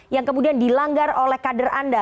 yang kemudian dilanggar oleh kader anda